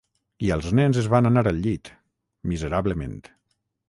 I els nens es van anar al llit, miserablement.